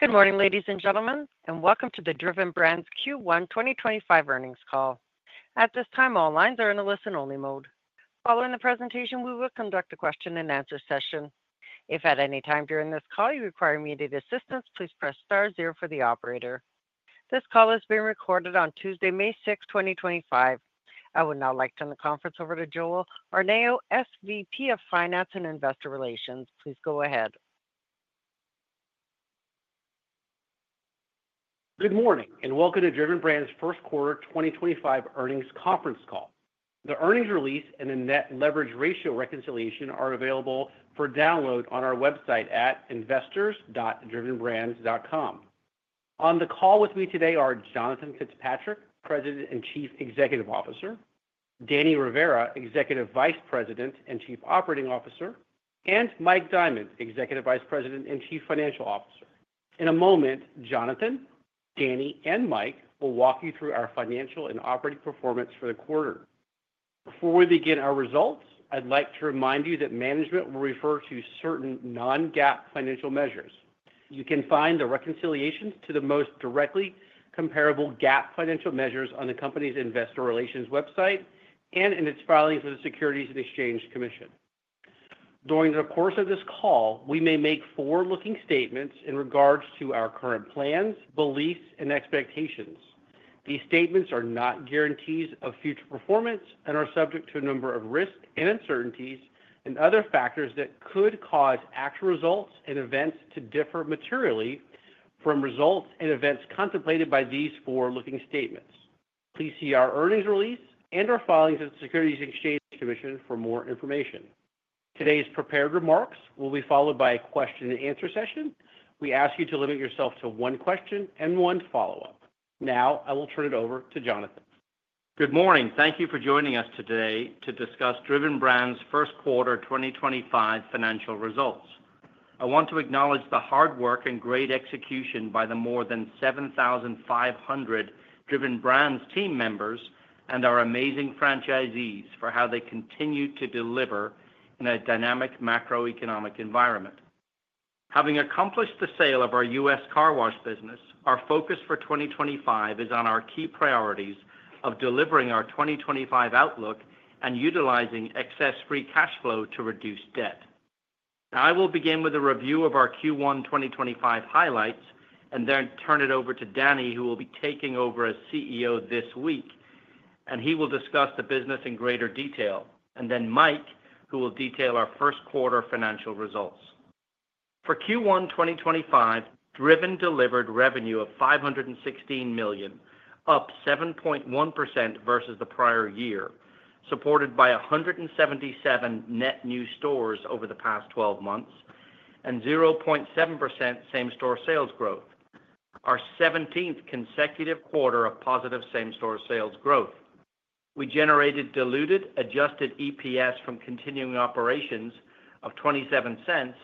Good morning, ladies and gentlemen, and welcome to the Driven Brands Q1 2025 earnings call. At this time, all lines are in the listen-only mode. Following the presentation, we will conduct a question-and-answer session. If at any time during this call you require immediate assistance, please press *0 for the operator. This call is being recorded on Tuesday, May 6, 2025. I would now like to turn the conference over to Joel Arnao, SVP of Finance and Investor Relations. Please go ahead. Good morning and welcome to Driven Brands' first quarter 2025 earnings conference call. The earnings release and the net leverage ratio reconciliation are available for download on our website at investors.drivenbrands.com. On the call with me today are Jonathan Fitzpatrick, President and Chief Executive Officer; Danny Rivera, Executive Vice President and Chief Operating Officer; and Mike Diamond, Executive Vice President and Chief Financial Officer. In a moment, Jonathan, Danny, and Mike will walk you through our financial and operating performance for the quarter. Before we begin our results, I'd like to remind you that management will refer to certain non-GAAP financial measures. You can find the reconciliations to the most directly comparable GAAP financial measures on the company's Investor Relations website and in its filings with the Securities and Exchange Commission. During the course of this call, we may make forward-looking statements in regards to our current plans, beliefs, and expectations. These statements are not guarantees of future performance and are subject to a number of risks and uncertainties and other factors that could cause actual results and events to differ materially from results and events contemplated by these forward-looking statements. Please see our earnings release and our filings with the Securities and Exchange Commission for more information. Today's prepared remarks will be followed by a question-and-answer session. We ask you to limit yourself to one question and one follow-up. Now, I will turn it over to Jonathan. Good morning. Thank you for joining us today to discuss Driven Brands' first quarter 2025 financial results. I want to acknowledge the hard work and great execution by the more than 7,500 Driven Brands team members and our amazing franchisees for how they continue to deliver in a dynamic macroeconomic environment. Having accomplished the sale of our U.S. car wash business, our focus for 2025 is on our key priorities of delivering our 2025 outlook and utilizing excess free cash flow to reduce debt. I will begin with a review of our Q1 2025 highlights and then turn it over to Danny, who will be taking over as CEO this week, and he will discuss the business in greater detail, and then Mike, who will detail our first quarter financial results. For Q1 2025, Driven delivered revenue of $516 million, up 7.1% versus the prior year, supported by 177 net new stores over the past 12 months and 0.7% same-store sales growth, our 17th consecutive quarter of positive same-store sales growth. We generated diluted, adjusted EPS from continuing operations of $0.27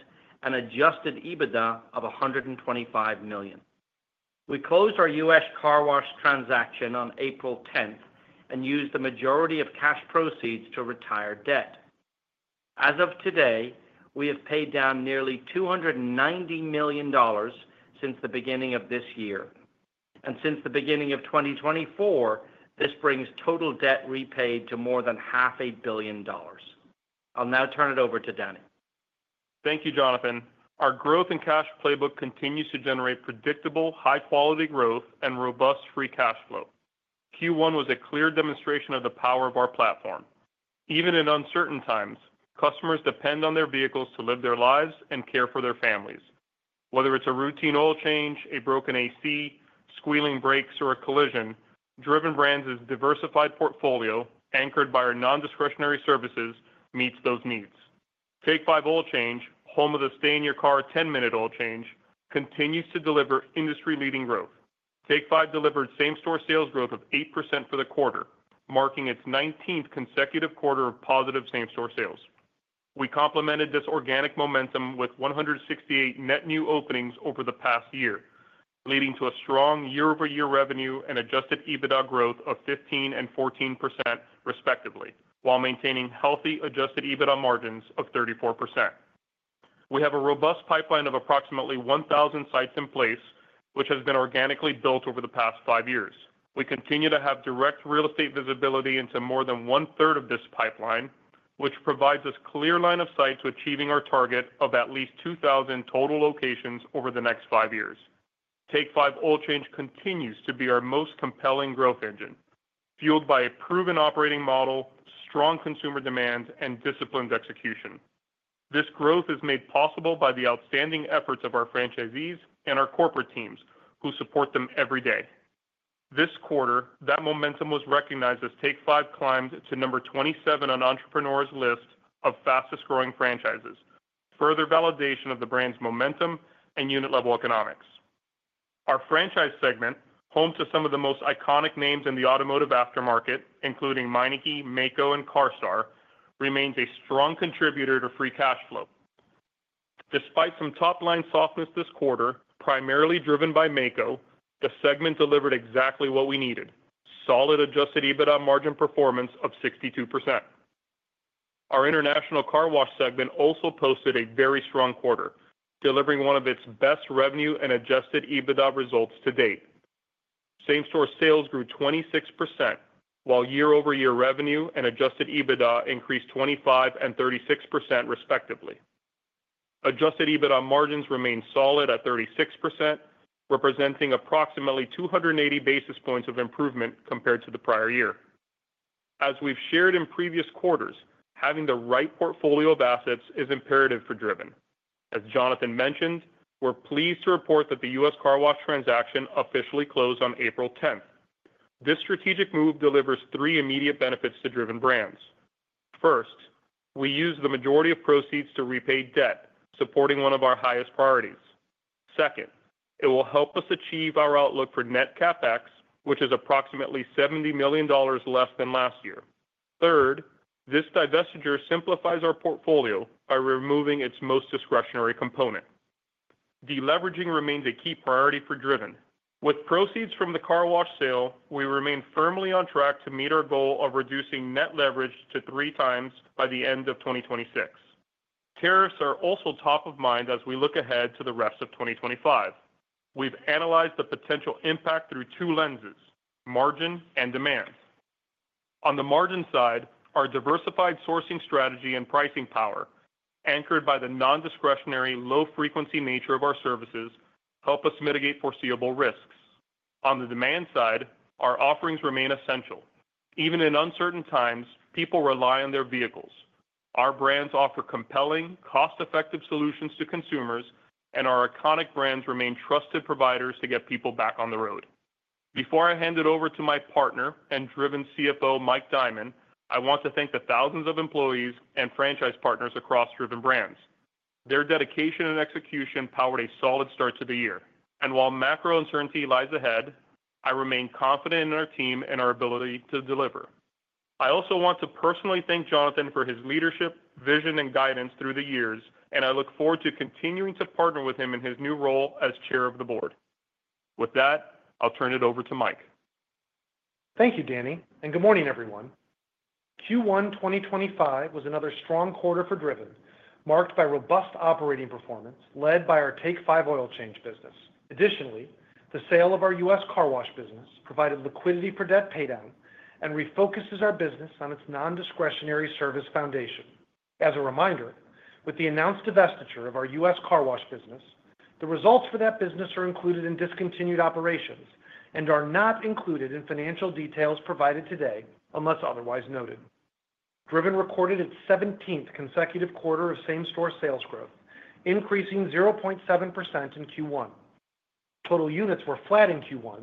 and adjusted EBITDA of $125 million. We closed our U.S. car wash transaction on April 10th and used the majority of cash proceeds to retire debt. As of today, we have paid down nearly $290 million since the beginning of this year, and since the beginning of 2024, this brings total debt repaid to more than half a billion dollars. I'll now turn it over to Danny. Thank you, Jonathan. Our growth and cash playbook continues to generate predictable, high-quality growth and robust free cash flow. Q1 was a clear demonstration of the power of our platform. Even in uncertain times, customers depend on their vehicles to live their lives and care for their families. Whether it's a routine oil change, a broken AC, squealing brakes, or a collision, Driven Brands' diversified portfolio, anchored by our non-discretionary services, meets those needs. Take 5 Oil Change, home of the stay-in-your-car 10-minute oil change, continues to deliver industry-leading growth. Take 5 delivered same-store sales growth of 8% for the quarter, marking its 19th consecutive quarter of positive same-store sales. We complemented this organic momentum with 168 net new openings over the past year, leading to a strong year-over-year revenue and adjusted EBITDA growth of 15% and 14%, respectively, while maintaining healthy adjusted EBITDA margins of 34%. We have a robust pipeline of approximately 1,000 sites in place, which has been organically built over the past five years. We continue to have direct real estate visibility into more than one-third of this pipeline, which provides us a clear line of sight to achieving our target of at least 2,000 total locations over the next five years. Take 5 Oil Change continues to be our most compelling growth engine, fueled by a proven operating model, strong consumer demand, and disciplined execution. This growth is made possible by the outstanding efforts of our franchisees and our corporate teams, who support them every day. This quarter, that momentum was recognized as Take 5 climbed to number 27 on Entrepreneur's list of fastest-growing franchises, further validation of the brand's momentum and unit-level economics. Our franchise segment, home to some of the most iconic names in the automotive aftermarket, including Meineke, Maaco, and CARSTAR, remains a strong contributor to free cash flow. Despite some top-line softness this quarter, primarily driven by Maaco, the segment delivered exactly what we needed: solid adjusted EBITDA margin performance of 62%. Our international car wash segment also posted a very strong quarter, delivering one of its best revenue and adjusted EBITDA results to date. Same-store sales grew 26%, while year-over-year revenue and adjusted EBITDA increased 25% and 36%, respectively. Adjusted EBITDA margins remained solid at 36%, representing approximately 280 basis points of improvement compared to the prior year. As we have shared in previous quarters, having the right portfolio of assets is imperative for Driven. As Jonathan mentioned, we are pleased to report that the U.S. car wash transaction officially closed on April 10th. This strategic move delivers three immediate benefits to Driven Brands. First, we use the majority of proceeds to repay debt, supporting one of our highest priorities. Second, it will help us achieve our outlook for net CapEx, which is approximately $70 million less than last year. Third, this divestiture simplifies our portfolio by removing its most discretionary component. Deleveraging remains a key priority for Driven. With proceeds from the car wash sale, we remain firmly on track to meet our goal of reducing net leverage to three times by the end of 2026. Tariffs are also top of mind as we look ahead to the rest of 2025. We've analyzed the potential impact through two lenses: margin and demand. On the margin side, our diversified sourcing strategy and pricing power, anchored by the non-discretionary, low-frequency nature of our services, help us mitigate foreseeable risks. On the demand side, our offerings remain essential. Even in uncertain times, people rely on their vehicles. Our brands offer compelling, cost-effective solutions to consumers, and our iconic brands remain trusted providers to get people back on the road. Before I hand it over to my partner and Driven CFO, Mike Diamond, I want to thank the thousands of employees and franchise partners across Driven Brands. Their dedication and execution powered a solid start to the year, and while macro uncertainty lies ahead, I remain confident in our team and our ability to deliver. I also want to personally thank Jonathan for his leadership, vision, and guidance through the years, and I look forward to continuing to partner with him in his new role as Chair of the Board. With that, I'll turn it over to Mike. Thank you, Danny, and good morning, everyone. Q1 2025 was another strong quarter for Driven, marked by robust operating performance led by our Take 5 Oil Change business. Additionally, the sale of our U.S. car wash business provided liquidity for debt paydown and refocuses our business on its non-discretionary service foundation. As a reminder, with the announced divestiture of our U.S. car wash business, the results for that business are included in discontinued operations and are not included in financial details provided today unless otherwise noted. Driven recorded its 17th consecutive quarter of same-store sales growth, increasing 0.7% in Q1. Total units were flat in Q1,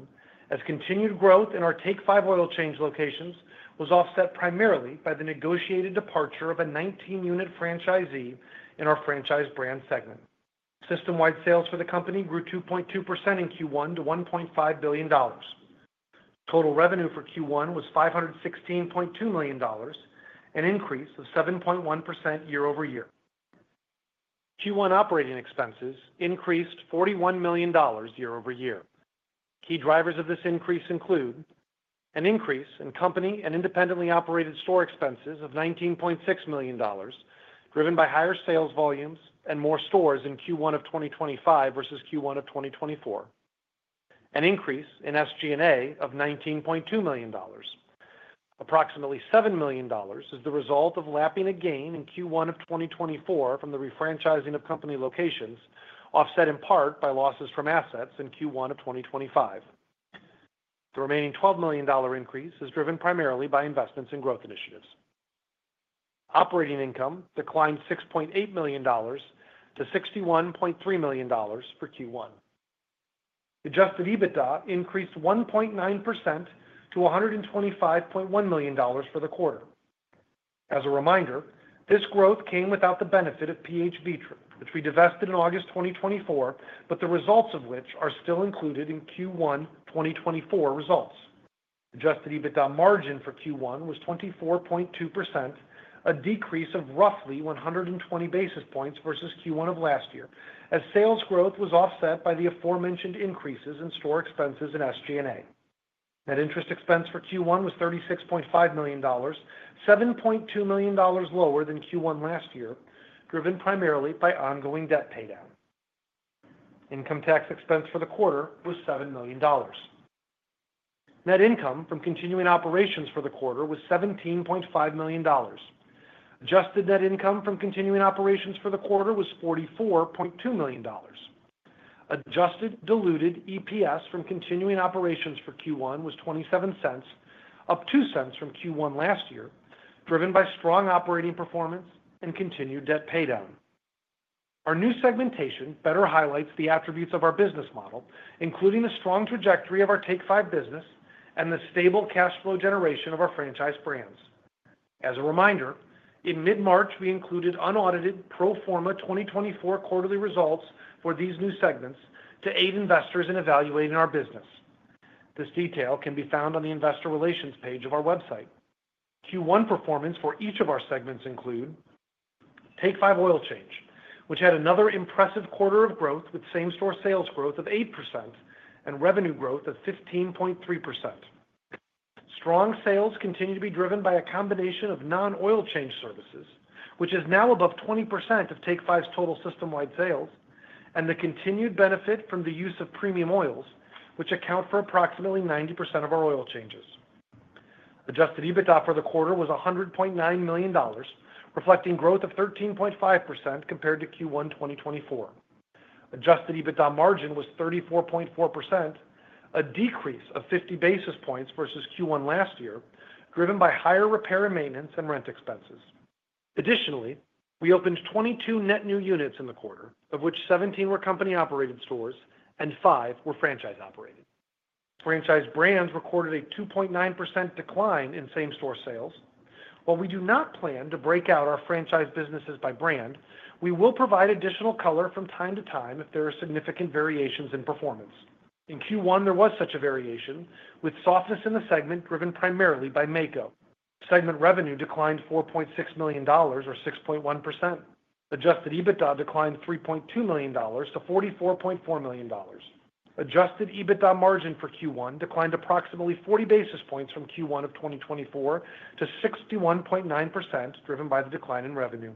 as continued growth in our Take 5 Oil Change locations was offset primarily by the negotiated departure of a 19-unit franchisee in our franchise brand segment. System-wide sales for the company grew 2.2% in Q1 to $1.5 billion. Total revenue for Q1 was $516.2 million, an increase of 7.1% year-over-year. Q1 operating expenses increased $41 million year-over-year. Key drivers of this increase include an increase in company and independently operated store expenses of $19.6 million, driven by higher sales volumes and more stores in Q1 of 2025 versus Q1 of 2024, an increase in SG&A of $19.2 million. Approximately $7 million is the result of lapping a gain in Q1 of 2024 from the refranchising of company locations, offset in part by losses from assets in Q1 of 2025. The remaining $12 million increase is driven primarily by investments in growth initiatives. Operating income declined $6.8 million to $61.3 million for Q1. Adjusted EBITDA increased 1.9% to $125.1 million for the quarter. As a reminder, this growth came without the benefit of PH Vetran, which we divested in August 2024, but the results of which are still included in Q1 2024 results. Adjusted EBITDA margin for Q1 was 24.2%, a decrease of roughly 120 basis points versus Q1 of last year, as sales growth was offset by the aforementioned increases in store expenses and SG&A. Net interest expense for Q1 was $36.5 million, $7.2 million lower than Q1 last year, driven primarily by ongoing debt paydown. Income tax expense for the quarter was $7 million. Net income from continuing operations for the quarter was $17.5 million. Adjusted net income from continuing operations for the quarter was $44.2 million. Adjusted diluted EPS from continuing operations for Q1 was $0.27, up $0.02 from Q1 last year, driven by strong operating performance and continued debt paydown. Our new segmentation better highlights the attributes of our business model, including the strong trajectory of our Take 5 business and the stable cash flow generation of our franchise brands. As a reminder, in mid-March, we included unaudited pro forma 2024 quarterly results for these new segments to aid investors in evaluating our business. This detail can be found on the investor relations page of our website. Q1 performance for each of our segments includes Take 5 Oil Change, which had another impressive quarter of growth with same-store sales growth of 8% and revenue growth of 15.3%. Strong sales continue to be driven by a combination of non-oil change services, which is now above 20% of Take 5's total system-wide sales, and the continued benefit from the use of premium oils, which account for approximately 90% of our oil changes. Adjusted EBITDA for the quarter was $100.9 million, reflecting growth of 13.5% compared to Q1 2024. Adjusted EBITDA margin was 34.4%, a decrease of 50 basis points versus Q1 last year, driven by higher repair and maintenance and rent expenses. Additionally, we opened 22 net new units in the quarter, of which 17 were company-operated stores and 5 were franchise-operated. Franchise brands recorded a 2.9% decline in same-store sales. While we do not plan to break out our franchise businesses by brand, we will provide additional color from time to time if there are significant variations in performance. In Q1, there was such a variation, with softness in the segment driven primarily by Maaco. Segment revenue declined $4.6 million, or 6.1%. Adjusted EBITDA declined $3.2 million to $44.4 million. Adjusted EBITDA margin for Q1 declined approximately 40 basis points from Q1 of 2024 to 61.9%, driven by the decline in revenue.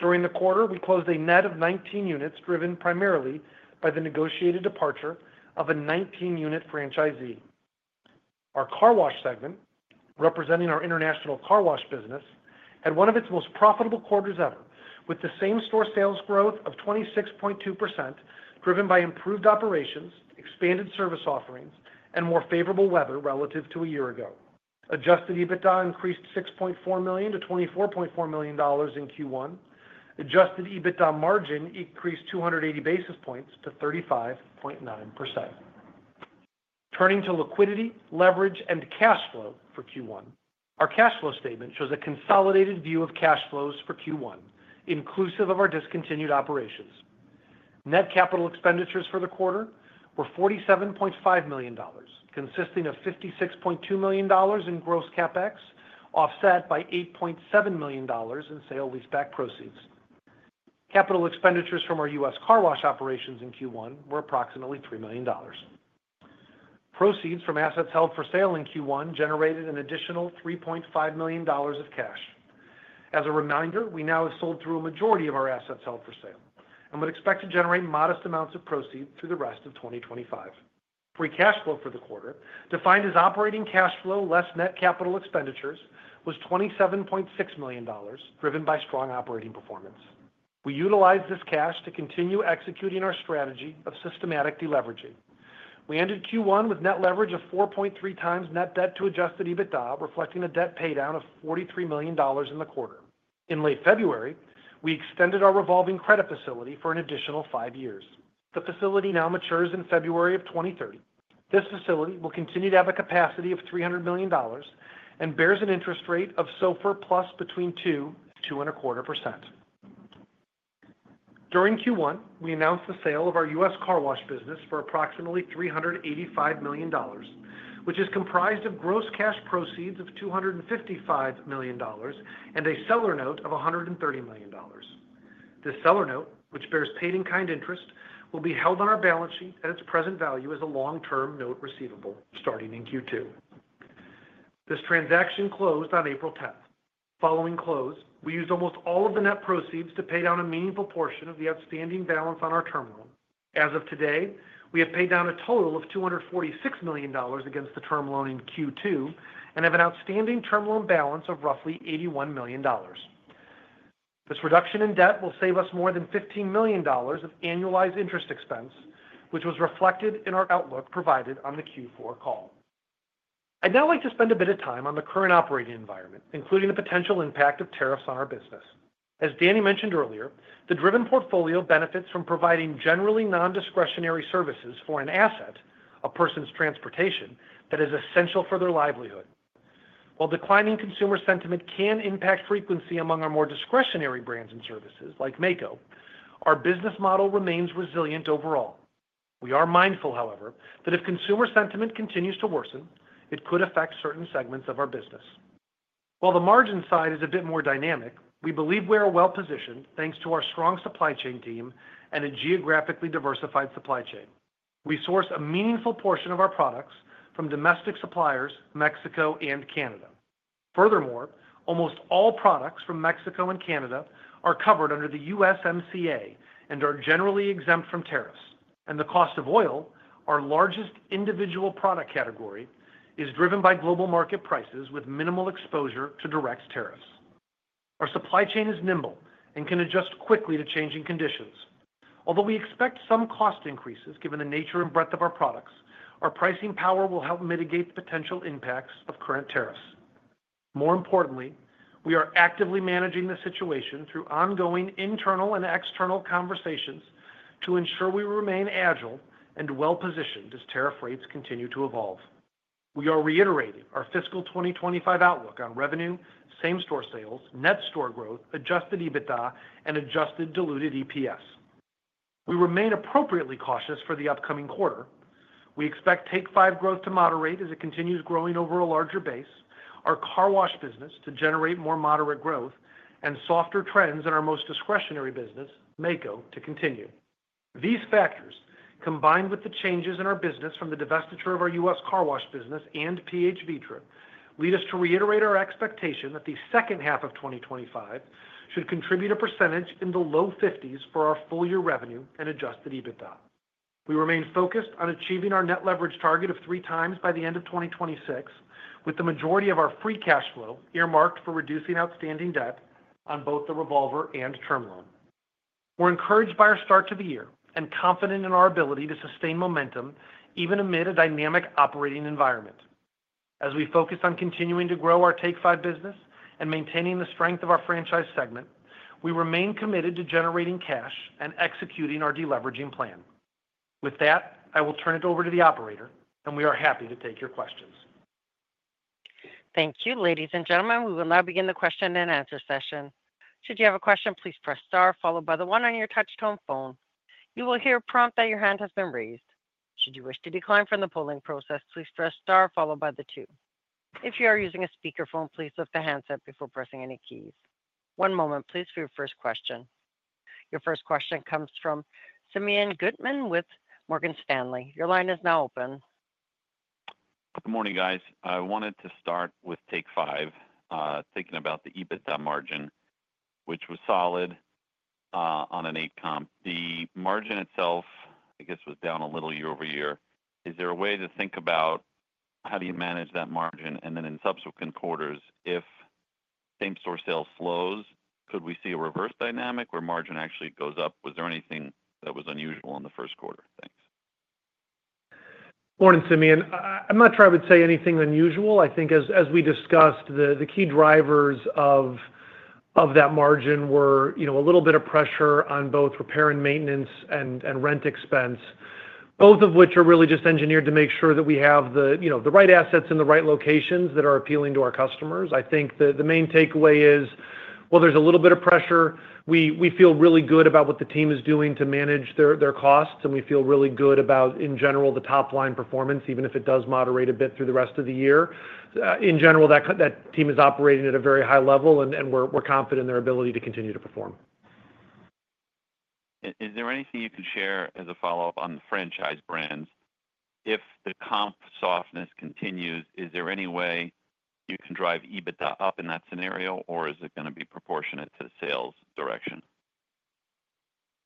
During the quarter, we closed a net of 19 units, driven primarily by the negotiated departure of a 19-unit franchisee. Our car wash segment, representing our international car wash business, had one of its most profitable quarters ever, with the same-store sales growth of 26.2%, driven by improved operations, expanded service offerings, and more favorable weather relative to a year ago. Adjusted EBITDA increased $6.4 million to $24.4 million in Q1. Adjusted EBITDA margin increased 280 basis points to 35.9%. Turning to liquidity, leverage, and cash flow for Q1, our cash flow statement shows a consolidated view of cash flows for Q1, inclusive of our discontinued operations. Net capital expenditures for the quarter were $47.5 million, consisting of $56.2 million in gross CapEx, offset by $8.7 million in sale lease-back proceeds. Capital expenditures from our U.S. car wash operations in Q1 were approximately $3 million. Proceeds from assets held for sale in Q1 generated an additional $3.5 million of cash. As a reminder, we now have sold through a majority of our assets held for sale and would expect to generate modest amounts of proceeds through the rest of 2025. Free cash flow for the quarter, defined as operating cash flow less net capital expenditures, was $27.6 million, driven by strong operating performance. We utilized this cash to continue executing our strategy of systematic deleveraging. We ended Q1 with net leverage of 4.3 times net debt to adjusted EBITDA, reflecting a debt paydown of $43 million in the quarter. In late February, we extended our revolving credit facility for an additional five years. The facility now matures in February of 2030. This facility will continue to have a capacity of $300 million and bears an interest rate of SOFR plus between 2% to 2.25%. During Q1, we announced the sale of our U.S. car wash business for approximately $385 million, which is comprised of gross cash proceeds of $255 million and a seller note of $130 million. This seller note, which bears paid-in-kind interest, will be held on our balance sheet at its present value as a long-term note receivable starting in Q2. This transaction closed on April 10th. Following close, we used almost all of the net proceeds to pay down a meaningful portion of the outstanding balance on our terminal. As of today, we have paid down a total of $246 million against the term loan in Q2 and have an outstanding term loan balance of roughly $81 million. This reduction in debt will save us more than $15 million of annualized interest expense, which was reflected in our outlook provided on the Q4 call. I'd now like to spend a bit of time on the current operating environment, including the potential impact of tariffs on our business. As Danny mentioned earlier, the Driven portfolio benefits from providing generally non-discretionary services for an asset, a person's transportation, that is essential for their livelihood. While declining consumer sentiment can impact frequency among our more discretionary brands and services, like Maaco, our business model remains resilient overall. We are mindful, however, that if consumer sentiment continues to worsen, it could affect certain segments of our business. While the margin side is a bit more dynamic, we believe we are well-positioned thanks to our strong supply chain team and a geographically diversified supply chain. We source a meaningful portion of our products from domestic suppliers: Mexico and Canada. Furthermore, almost all products from Mexico and Canada are covered under the USMCA and are generally exempt from tariffs. The cost of oil, our largest individual product category, is driven by global market prices with minimal exposure to direct tariffs. Our supply chain is nimble and can adjust quickly to changing conditions. Although we expect some cost increases given the nature and breadth of our products, our pricing power will help mitigate the potential impacts of current tariffs. More importantly, we are actively managing the situation through ongoing internal and external conversations to ensure we remain agile and well-positioned as tariff rates continue to evolve. We are reiterating our fiscal 2025 outlook on revenue, same-store sales, net store growth, adjusted EBITDA, and adjusted diluted EPS. We remain appropriately cautious for the upcoming quarter. We expect Take 5 growth to moderate as it continues growing over a larger base, our car wash business to generate more moderate growth, and softer trends in our most discretionary business, Maaco, to continue. These factors, combined with the changes in our business from the divestiture of our U.S. car wash business and PH Vetran, lead us to reiterate our expectation that the second half of 2025 should contribute a percentage in the low 50% for our full-year revenue and adjusted EBITDA. We remain focused on achieving our net leverage target of three times by the end of 2026, with the majority of our free cash flow earmarked for reducing outstanding debt on both the revolver and term loan. We're encouraged by our start to the year and confident in our ability to sustain momentum even amid a dynamic operating environment. As we focus on continuing to grow our Take 5 business and maintaining the strength of our franchise segment, we remain committed to generating cash and executing our deleveraging plan. With that, I will turn it over to the operator, and we are happy to take your questions. Thank you, ladies and gentlemen. We will now begin the question and answer session. Should you have a question, please press *, followed by the 1 on your touch-tone phone. You will hear a prompt that your hand has been raised. Should you wish to decline from the polling process, please press *, followed by the 2. If you are using a speakerphone, please lift the handset before pressing any keys. One moment, please, for your first question. Your first question comes from Simeon Goodman with Morgan Stanley. Your line is now open. Good morning, guys. I wanted to start with Take 5, thinking about the EBITDA margin, which was solid on an eight-comp comp. The margin itself, I guess, was down a little year over year. Is there a way to think about how do you manage that margin? In subsequent quarters, if same-store sales slows, could we see a reverse dynamic where margin actually goes up? Was there anything that was unusual in the first quarter? Thanks. Morning, Simeon. I'm not sure I would say anything unusual. I think as we discussed, the key drivers of that margin were a little bit of pressure on both repair and maintenance and rent expense, both of which are really just engineered to make sure that we have the right assets in the right locations that are appealing to our customers. I think the main takeaway is, while there's a little bit of pressure, we feel really good about what the team is doing to manage their costs, and we feel really good about, in general, the top-line performance, even if it does moderate a bit through the rest of the year. In general, that team is operating at a very high level, and we're confident in their ability to continue to perform. Is there anything you can share as a follow-up on the franchise brands? If the comp softness continues, is there any way you can drive EBITDA up in that scenario, or is it going to be proportionate to the sales direction?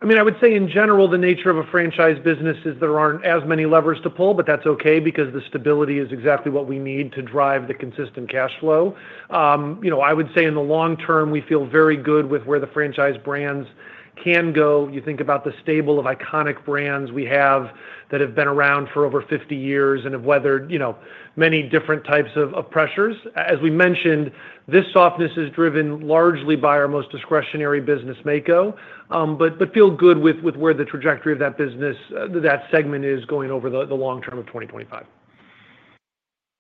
I mean, I would say, in general, the nature of a franchise business is there are not as many levers to pull, but that is okay because the stability is exactly what we need to drive the consistent cash flow. I would say in the long term, we feel very good with where the franchise brands can go. You think about the stable of iconic brands we have that have been around for over 50 years and have weathered many different types of pressures. As we mentioned, this softness is driven largely by our most discretionary business, Maaco, but feel good with where the trajectory of that business, that segment is going over the long term of 2025.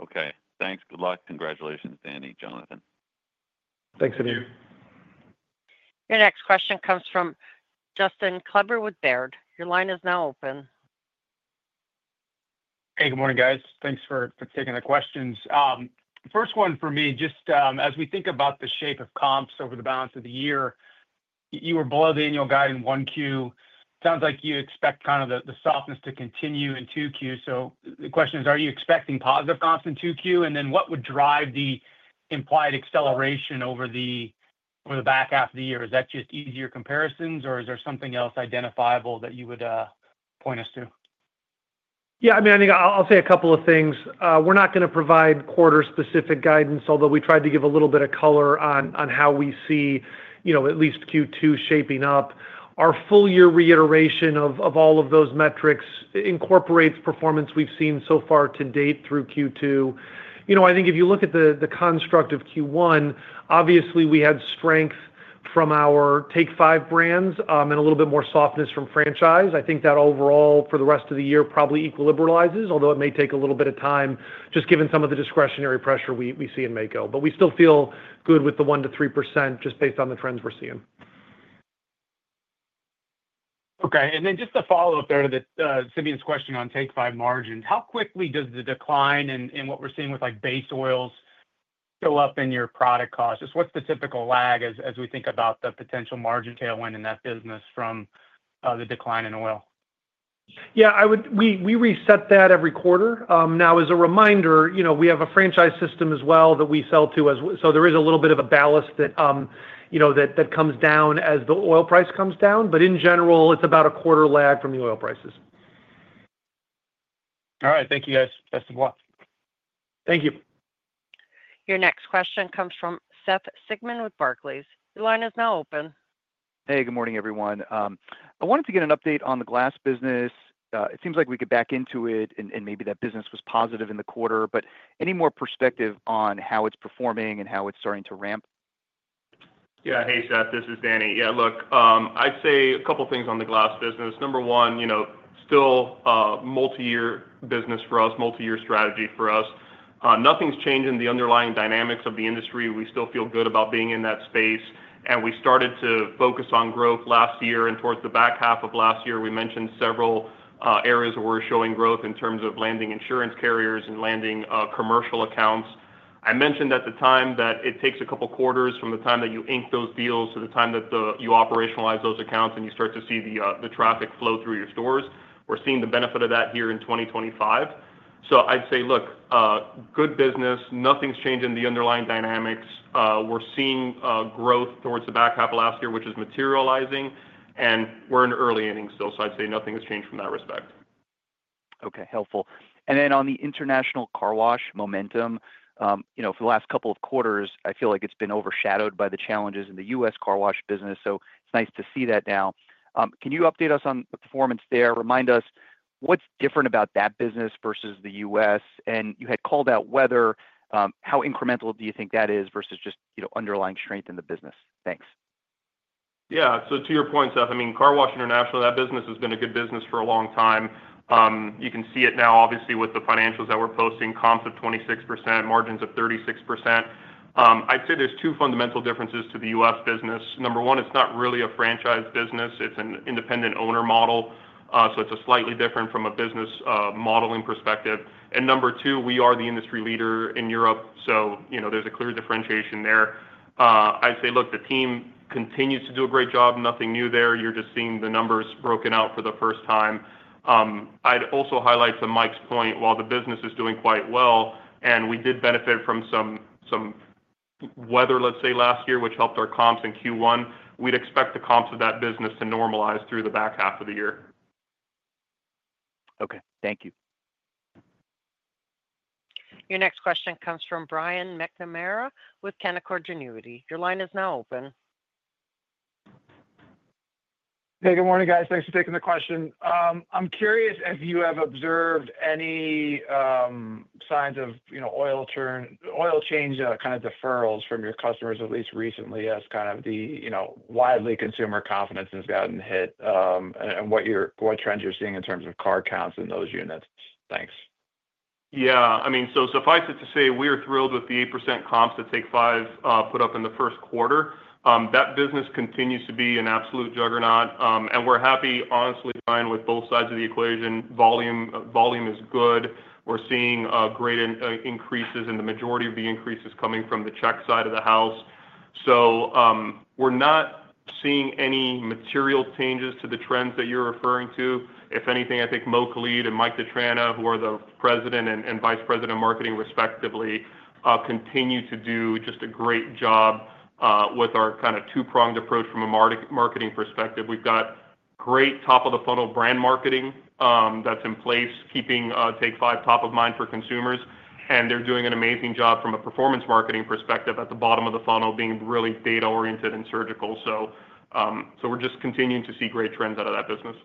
Okay. Thanks. Good luck. Congratulations, Danny, Jonathan. Thanks, Simeon. Your next question comes from Justin Kleber with Baird. Your line is now open. Hey, good morning, guys. Thanks for taking the questions. First one for me, just as we think about the shape of comps over the balance of the year, you were below the annual guide in Q1. It sounds like you expect kind of the softness to continue in Q2. The question is, are you expecting positive comps in Q2? What would drive the implied acceleration over the back half of the year? Is that just easier comparisons, or is there something else identifiable that you would point us to? Yeah, I mean, I think I'll say a couple of things. We're not going to provide quarter-specific guidance, although we tried to give a little bit of color on how we see at least Q2 shaping up. Our full-year reiteration of all of those metrics incorporates performance we've seen so far to date through Q2. I think if you look at the construct of Q1, obviously, we had strength from our Take 5 brands and a little bit more softness from franchise. I think that overall, for the rest of the year, probably equilibrizes, although it may take a little bit of time just given some of the discretionary pressure we see in Maaco. But we still feel good with the 1%-3% just based on the trends we're seeing. Okay. Just to follow up there to Simeon's question on Take 5 margins, how quickly does the decline in what we are seeing with base oils go up in your product cost? Just what is the typical lag as we think about the potential margin tailwind in that business from the decline in oil? Yeah, we reset that every quarter. Now, as a reminder, we have a franchise system as well that we sell to, so there is a little bit of a ballast that comes down as the oil price comes down. In general, it's about a quarter lag from the oil prices. All right. Thank you, guys. Best of luck. Thank you. Your next question comes from Seth Sigman with Barclays. Your line is now open. Hey, good morning, everyone. I wanted to get an update on the glass business. It seems like we could back into it, and maybe that business was positive in the quarter, but any more perspective on how it's performing and how it's starting to ramp? Yeah. Hey, Seth, this is Danny. Yeah, look, I'd say a couple of things on the glass business. Number one, still multi-year business for us, multi-year strategy for us. Nothing's changed in the underlying dynamics of the industry. We still feel good about being in that space. We started to focus on growth last year. Towards the back half of last year, we mentioned several areas where we're showing growth in terms of landing insurance carriers and landing commercial accounts. I mentioned at the time that it takes a couple of quarters from the time that you ink those deals to the time that you operationalize those accounts and you start to see the traffic flow through your stores. We're seeing the benefit of that here in 2025. I'd say, look, good business. Nothing's changed in the underlying dynamics. We're seeing growth towards the back half of last year, which is materializing. We're in early innings still, so I'd say nothing has changed from that respect. Okay. Helpful. Then on the international car wash momentum, for the last couple of quarters, I feel like it's been overshadowed by the challenges in the U.S. car wash business, so it's nice to see that now. Can you update us on the performance there? Remind us what's different about that business versus the U.S.? You had called out weather. How incremental do you think that is versus just underlying strength in the business? Thanks. Yeah. To your point, Seth, I mean, car wash international, that business has been a good business for a long time. You can see it now, obviously, with the financials that we're posting. Comps of 26%, margins of 36%. I'd say there's two fundamental differences to the U.S. business. Number one, it's not really a franchise business. It's an independent owner model, so it's slightly different from a business modeling perspective. Number two, we are the industry leader in Europe, so there's a clear differentiation there. I'd say, look, the team continues to do a great job. Nothing new there. You're just seeing the numbers broken out for the first time. I'd also highlight to Mike's point, while the business is doing quite well and we did benefit from some weather, let's say, last year, which helped our comps in Q1, we'd expect the comps of that business to normalize through the back half of the year. Okay. Thank you. Your next question comes from Brian McNamara with Canaccord Genuity. Your line is now open. Hey, good morning, guys. Thanks for taking the question. I'm curious if you have observed any signs of oil change kind of deferrals from your customers, at least recently, as kind of the widely consumer confidence has gotten hit and what trends you're seeing in terms of car counts in those units. Thanks. Yeah. I mean, suffice it to say we are thrilled with the 8% comps that Take 5 put up in the first quarter. That business continues to be an absolute juggernaut. We're happy, honestly, Brian, with both sides of the equation. Volume is good. We're seeing great increases, and the majority of the increase is coming from the check side of the house. We're not seeing any material changes to the trends that you're referring to. If anything, I think Moe Khalid and Mike DiTrana, who are the President and Vice President of Marketing, respectively, continue to do just a great job with our kind of two-pronged approach from a marketing perspective. We have great top-of-the-funnel brand marketing that is in place, keeping Take 5 top of mind for consumers. They are doing an amazing job from a performance marketing perspective at the bottom of the funnel, being really data-oriented and surgical. We are just continuing to see great trends out of that business.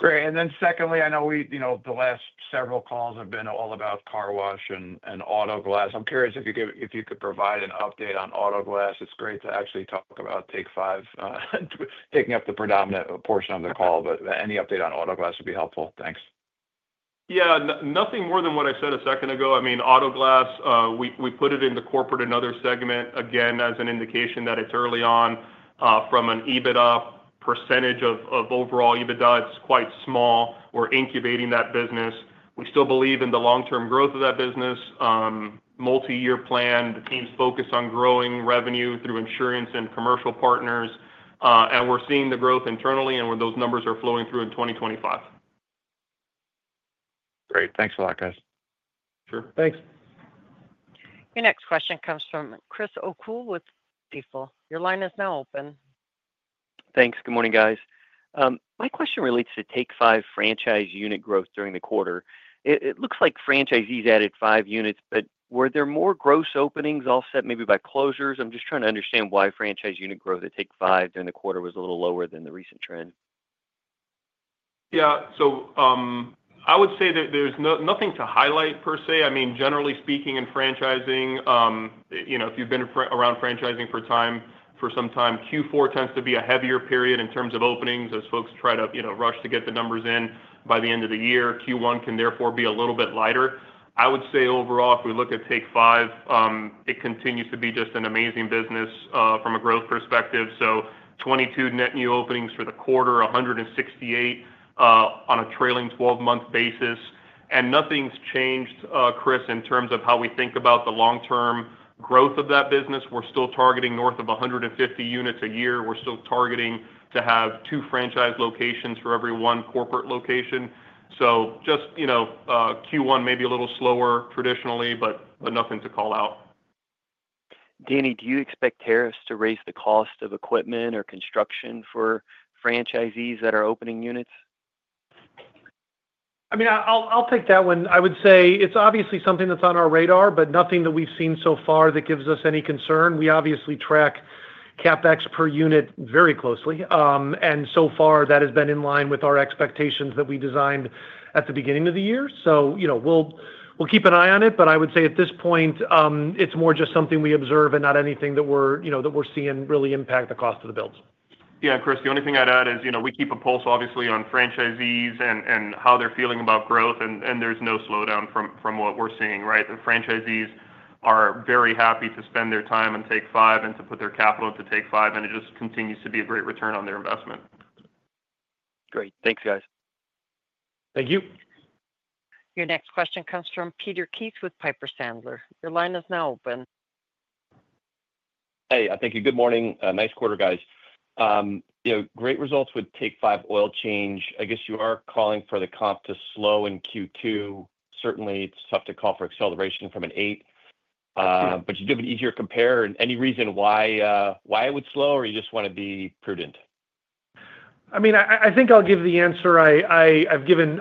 Great. Secondly, I know the last several calls have been all about car wash and auto glass. I am curious if you could provide an update on auto glass. It is great to actually talk about Take 5 taking up the predominant portion of the call, but any update on auto glass would be helpful. Thanks. Yeah. Nothing more than what I said a second ago. I mean, auto glass, we put it into corporate and other segment, again, as an indication that it's early on. From an EBITDA % of overall EBITDA, it's quite small. We're incubating that business. We still believe in the long-term growth of that business. Multi-year plan, the team's focus on growing revenue through insurance and commercial partners. We are seeing the growth internally and where those numbers are flowing through in 2025. Great. Thanks a lot, guys. Sure. Thanks. Your next question comes from Chris O'Cool with Oppenheimer. Your line is now open. Thanks. Good morning, guys. My question relates to Take 5 franchise unit growth during the quarter. It looks like franchisees added five units, but were there more gross openings offset maybe by closures? I'm just trying to understand why franchise unit growth at Take 5 during the quarter was a little lower than the recent trend. Yeah. I would say there's nothing to highlight per se. I mean, generally speaking, in franchising, if you've been around franchising for some time, Q4 tends to be a heavier period in terms of openings as folks try to rush to get the numbers in by the end of the year. Q1 can therefore be a little bit lighter. I would say overall, if we look at Take 5, it continues to be just an amazing business from a growth perspective. 22 net new openings for the quarter, 168 on a trailing 12-month basis. Nothing's changed, Chris, in terms of how we think about the long-term growth of that business. We're still targeting north of 150 units a year. We're still targeting to have two franchise locations for every one corporate location. Q1 may be a little slower traditionally, but nothing to call out. Danny, do you expect tariffs to raise the cost of equipment or construction for franchisees that are opening units? I mean, I'll take that one. I would say it's obviously something that's on our radar, but nothing that we've seen so far that gives us any concern. We obviously track CapEx per unit very closely. And so far, that has been in line with our expectations that we designed at the beginning of the year. We will keep an eye on it, but I would say at this point, it's more just something we observe and not anything that we're seeing really impact the cost of the builds. Yeah, Chris, the only thing I'd add is we keep a pulse, obviously, on franchisees and how they're feeling about growth, and there's no slowdown from what we're seeing, right? The franchisees are very happy to spend their time in Take 5 and to put their capital into Take 5, and it just continues to be a great return on their investment. Great. Thanks, guys. Thank you. Your next question comes from Peter Keith with Piper Sandler. Your line is now open. Hey, I think you're good. Good morning. Nice quarter, guys. Great results with Take 5 Oil Change. I guess you are calling for the comp to slow in Q2. Certainly, it's tough to call for acceleration from an eight, but you do have an easier compare. Any reason why it would slow, or you just want to be prudent? I mean, I think I'll give the answer I've given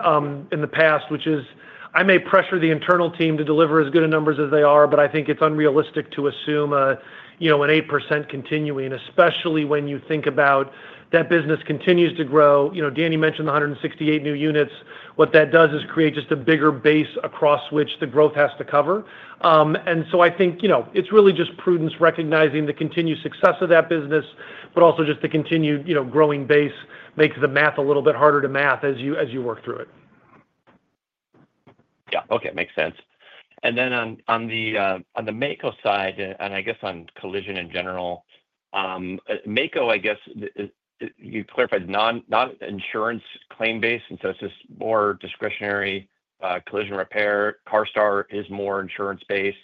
in the past, which is I may pressure the internal team to deliver as good a numbers as they are, but I think it's unrealistic to assume an 8% continuing, especially when you think about that business continues to grow. Danny mentioned the 168 new units. What that does is create just a bigger base across which the growth has to cover. I think it's really just prudence recognizing the continued success of that business, but also just the continued growing base makes the math a little bit harder to math as you work through it. Yeah. Okay. Makes sense. Then on the Maaco side, and I guess on collision in general, Maaco, I guess you clarified not insurance claim based, and so it is just more discretionary collision repair. CARSTAR is more insurance-based.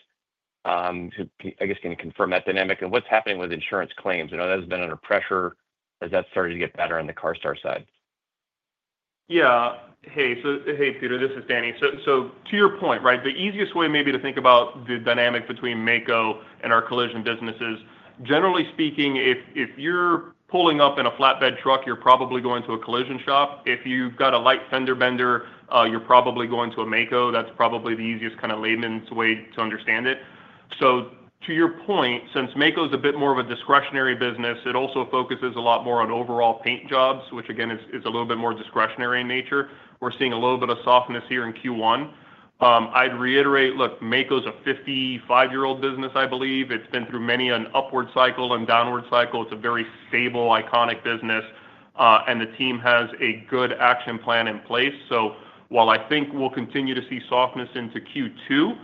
I guess can you confirm that dynamic? What is happening with insurance claims? I know that has been under pressure. Has that started to get better on the CARSTAR side? Yeah. Hey, Peter, this is Danny. To your point, the easiest way maybe to think about the dynamic between Maaco and our collision businesses, generally speaking, if you're pulling up in a flatbed truck, you're probably going to a collision shop. If you've got a light fender bender, you're probably going to a Maaco. That's probably the easiest kind of layman's way to understand it. To your point, since Maaco is a bit more of a discretionary business, it also focuses a lot more on overall paint jobs, which, again, is a little bit more discretionary in nature. We're seeing a little bit of softness here in Q1. I'd reiterate, look, Maaco is a 55-year-old business, I believe. It's been through many an upward cycle and downward cycle. It's a very stable, iconic business, and the team has a good action plan in place. While I think we'll continue to see softness into Q2,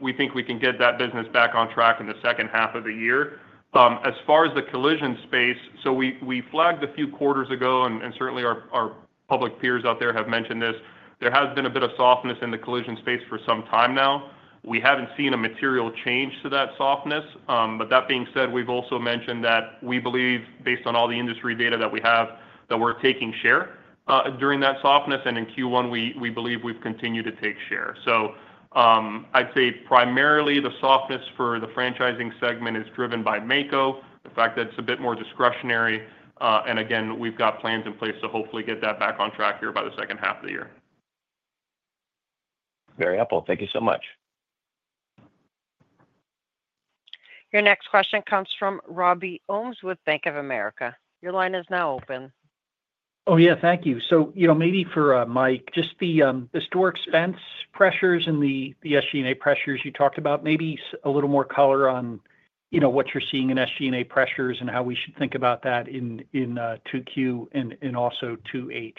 we think we can get that business back on track in the second half of the year. As far as the collision space, we flagged a few quarters ago, and certainly our public peers out there have mentioned this. There has been a bit of softness in the collision space for some time now. We haven't seen a material change to that softness. That being said, we've also mentioned that we believe, based on all the industry data that we have, that we're taking share during that softness. In Q1, we believe we've continued to take share. I'd say primarily the softness for the franchising segment is driven by MECO, the fact that it's a bit more discretionary. We have got plans in place to hopefully get that back on track here by the second half of the year. Very helpful. Thank you so much. Your next question comes from Robbie Ohms with Bank of America. Your line is now open. Oh, yeah. Thank you. So maybe for Mike, just the store expense pressures and the SG&A pressures you talked about, maybe a little more color on what you're seeing in SG&A pressures and how we should think about that in Q2 and also Q2.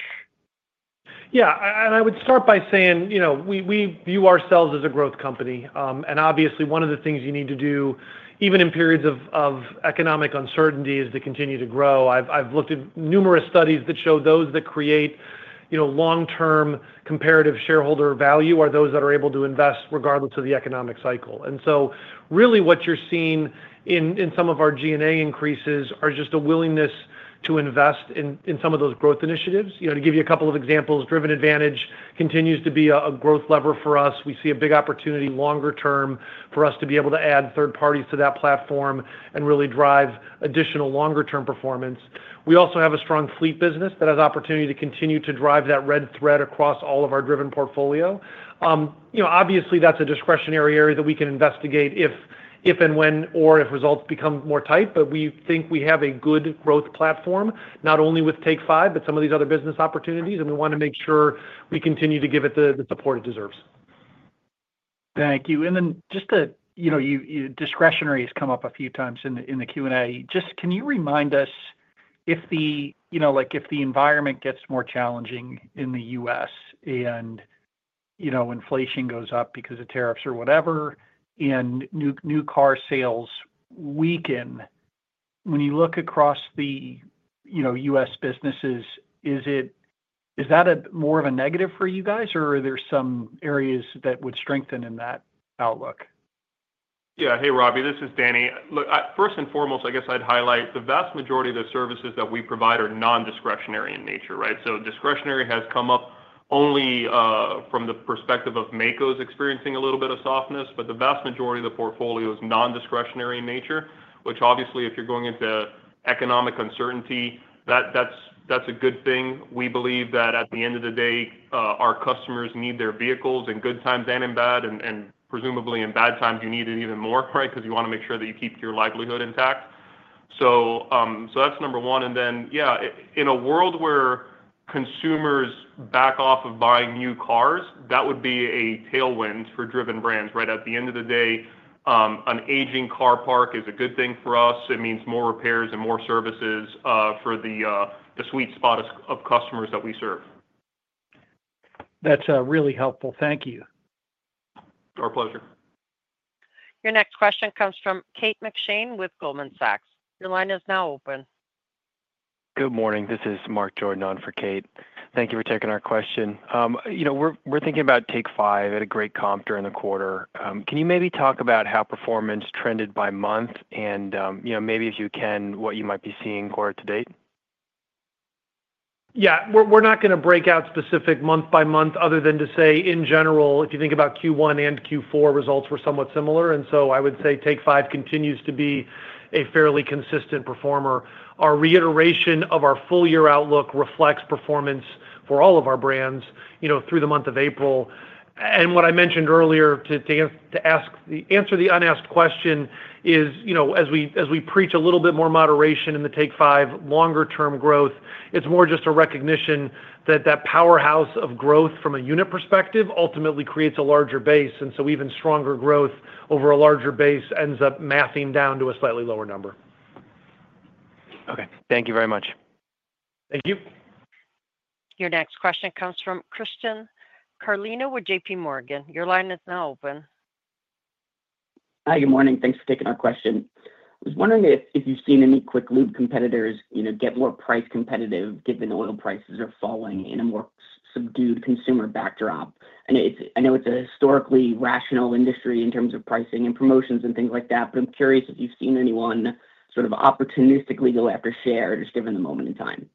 Yeah. I would start by saying we view ourselves as a growth company. Obviously, one of the things you need to do, even in periods of economic uncertainty, is to continue to grow. I've looked at numerous studies that show those that create long-term comparative shareholder value are those that are able to invest regardless of the economic cycle. Really what you're seeing in some of our G&A increases are just a willingness to invest in some of those growth initiatives. To give you a couple of examples, driven advantage continues to be a growth lever for us. We see a big opportunity longer term for us to be able to add third parties to that platform and really drive additional longer-term performance. We also have a strong fleet business that has the opportunity to continue to drive that red thread across all of our Driven portfolio. Obviously, that's a discretionary area that we can investigate if and when or if results become more tight, but we think we have a good growth platform, not only with Take 5, but some of these other business opportunities, and we want to make sure we continue to give it the support it deserves. Thank you. Just that discretionary has come up a few times in the Q&A. Just can you remind us if the environment gets more challenging in the U.S. and inflation goes up because of tariffs or whatever, and new car sales weaken, when you look across the U.S. businesses, is that more of a negative for you guys, or are there some areas that would strengthen in that outlook? Yeah. Hey, Robbie, this is Danny. Look, first and foremost, I guess I'd highlight the vast majority of the services that we provide are non-discretionary in nature, right? Discretionary has come up only from the perspective of Maaco experiencing a little bit of softness, but the vast majority of the portfolio is non-discretionary in nature, which obviously, if you're going into economic uncertainty, that's a good thing. We believe that at the end of the day, our customers need their vehicles in good times and in bad, and presumably in bad times, you need it even more, right, because you want to make sure that you keep your livelihood intact. That's number one. In a world where consumers back off of buying new cars, that would be a tailwind for Driven Brands, right? At the end of the day, an aging car park is a good thing for us. It means more repairs and more services for the sweet spot of customers that we serve. That's really helpful. Thank you. Our pleasure. Your next question comes from Kate McShane with Goldman Sachs. Your line is now open. Good morning. This is Mark Jordan on for Kate. Thank you for taking our question. We're thinking about Take 5 had a great comp during the quarter. Can you maybe talk about how performance trended by month and maybe, if you can, what you might be seeing quarter to date? Yeah. We're not going to break out specific month by month other than to say, in general, if you think about Q1 and Q4, results were somewhat similar. I would say Take 5 continues to be a fairly consistent performer. Our reiteration of our full-year outlook reflects performance for all of our brands through the month of April. What I mentioned earlier, to answer the unasked question, is as we preach a little bit more moderation in the Take 5 longer-term growth, it's more just a recognition that that powerhouse of growth from a unit perspective ultimately creates a larger base. Even stronger growth over a larger base ends up mathing down to a slightly lower number. Okay. Thank you very much. Thank you. Your next question comes from Kristen Carlina with JPMorgan. Your line is now open. Hi, good morning. Thanks for taking our question. I was wondering if you've seen any quick-lived competitors get more price competitive given oil prices are falling in a more subdued consumer backdrop. I know it's a historically rational industry in terms of pricing and promotions and things like that, but I'm curious if you've seen anyone sort of opportunistically go after share just given the moment in time.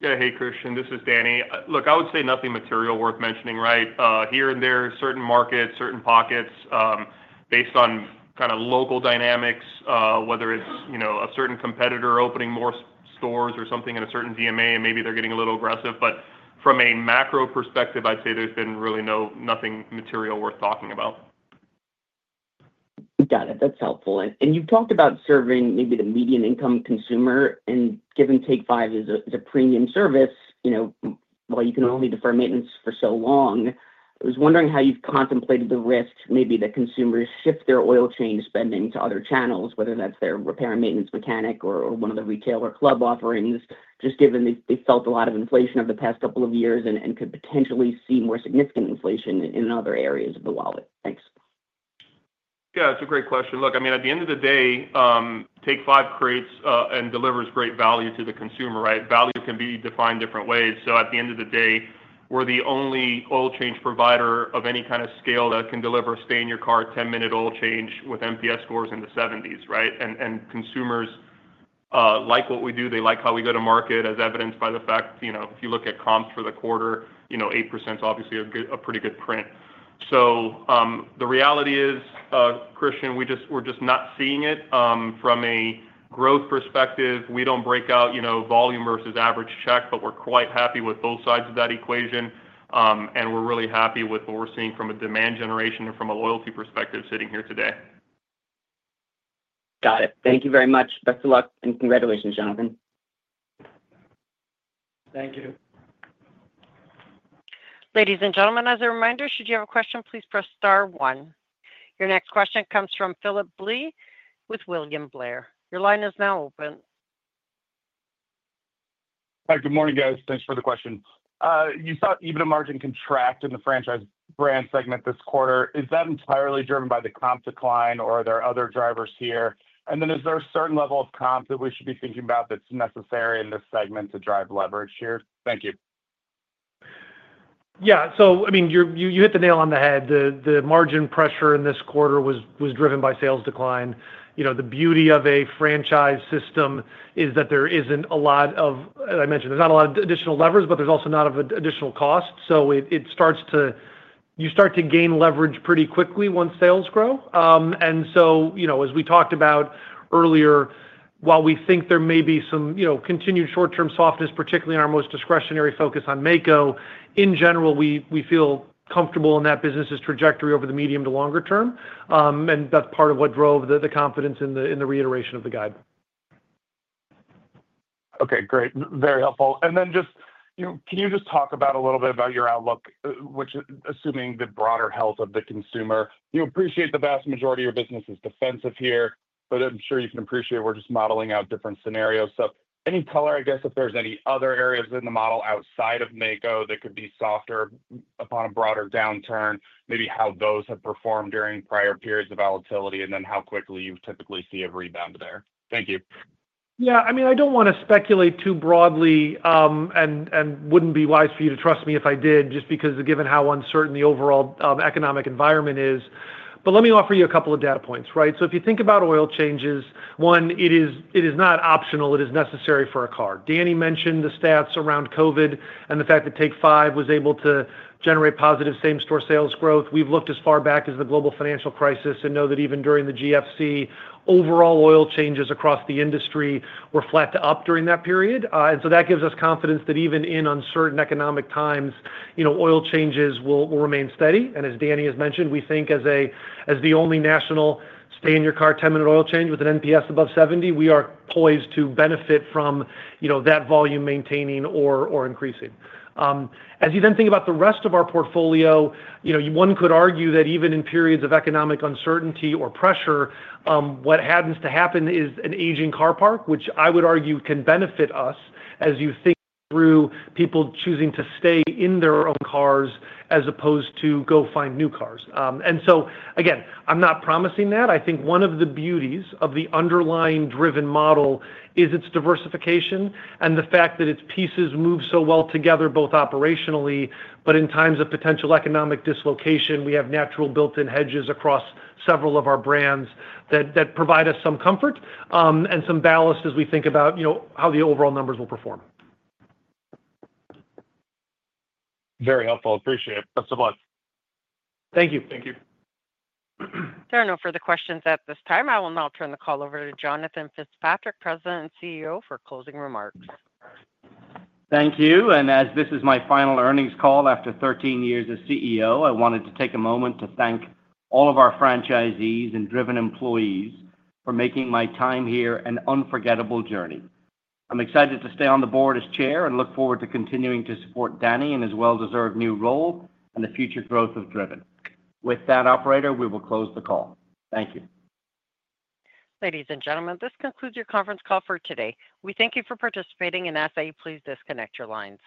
Yeah. Hey, Christian. This is Danny. Look, I would say nothing material worth mentioning, right? Here and there, certain markets, certain pockets, based on kind of local dynamics, whether it is a certain competitor opening more stores or something in a certain DMA, and maybe they are getting a little aggressive. From a macro perspective, I would say there has been really nothing material worth talking about. Got it. That's helpful. You have talked about serving maybe the median income consumer, and given Take 5 is a premium service, while you can only defer maintenance for so long, I was wondering how you have contemplated the risk maybe that consumers shift their oil change spending to other channels, whether that is their repair and maintenance mechanic or one of the retailer club offerings, just given they felt a lot of inflation over the past couple of years and could potentially see more significant inflation in other areas of the wallet. Thanks. Yeah. That's a great question. Look, I mean, at the end of the day, Take 5 creates and delivers great value to the consumer, right? Value can be defined different ways. At the end of the day, we're the only oil change provider of any kind of scale that can deliver a stay-in-your-car 10-minute oil change with MPS scores in the 70s, right? Consumers like what we do. They like how we go to market, as evidenced by the fact if you look at comps for the quarter, 8% is obviously a pretty good print. The reality is, Christian, we're just not seeing it. From a growth perspective, we don't break out volume versus average check, but we're quite happy with both sides of that equation. We're really happy with what we're seeing from a demand generation and from a loyalty perspective sitting here today. Got it. Thank you very much. Best of luck and congratulations, Jonathan. Thank you. Ladies and gentlemen, as a reminder, should you have a question, please press star one. Your next question comes from Philip Blee with William Blair. Your line is now open. Hi, good morning, guys. Thanks for the question. You saw even a margin contract in the franchise brand segment this quarter. Is that entirely driven by the comp decline or are there other drivers here? Is there a certain level of comp that we should be thinking about that's necessary in this segment to drive leverage here? Thank you. Yeah. I mean, you hit the nail on the head. The margin pressure in this quarter was driven by sales decline. The beauty of a franchise system is that there is not a lot of, as I mentioned, there is not a lot of additional levers, but there is also not a lot of additional cost. You start to gain leverage pretty quickly once sales grow. As we talked about earlier, while we think there may be some continued short-term softness, particularly in our most discretionary focus on Maaco, in general, we feel comfortable in that business's trajectory over the medium to longer term. That is part of what drove the confidence in the reiteration of the guide. Okay. Great. Very helpful. Can you just talk a little bit about your outlook, assuming the broader health of the consumer? You appreciate the vast majority of your business is defensive here, but I'm sure you can appreciate we're just modeling out different scenarios. Any color, I guess, if there's any other areas in the model outside of Maaco that could be softer upon a broader downturn, maybe how those have performed during prior periods of volatility, and then how quickly you typically see a rebound there? Thank you. Yeah. I mean, I do not want to speculate too broadly and would not be wise for you to trust me if I did, just because given how uncertain the overall economic environment is. Let me offer you a couple of data points, right? If you think about oil changes, one, it is not optional. It is necessary for a car. Danny mentioned the stats around COVID and the fact that Take 5 was able to generate positive same-store sales growth. We have looked as far back as the global financial crisis and know that even during the GFC, overall oil changes across the industry were flat to up during that period. That gives us confidence that even in uncertain economic times, oil changes will remain steady. As Danny has mentioned, we think as the only national stay-in-your-car 10-minute oil change with an NPS above 70, we are poised to benefit from that volume maintaining or increasing. As you then think about the rest of our portfolio, one could argue that even in periods of economic uncertainty or pressure, what happens to happen is an aging car park, which I would argue can benefit us as you think through people choosing to stay in their own cars as opposed to go find new cars. Again, I'm not promising that. I think one of the beauties of the underlying Driven model is its diversification and the fact that its pieces move so well together both operationally, but in times of potential economic dislocation, we have natural built-in hedges across several of our brands that provide us some comfort and some ballast as we think about how the overall numbers will perform. Very helpful. Appreciate it. Best of luck. Thank you. Thank you. There are no further questions at this time. I will now turn the call over to Jonathan Fitzpatrick, President and CEO, for closing remarks. Thank you. As this is my final earnings call after 13 years as CEO, I wanted to take a moment to thank all of our franchisees and Driven employees for making my time here an unforgettable journey. I'm excited to stay on the board as Chair and look forward to continuing to support Danny in his well-deserved new role and the future growth of Driven. With that, operator, we will close the call. Thank you. Ladies and gentlemen, this concludes your conference call for today. We thank you for participating and ask that you please disconnect your lines.